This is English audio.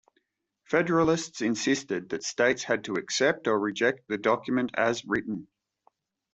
Federalists insisted that states had to accept or reject the document as written.